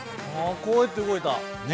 こうやって動いた！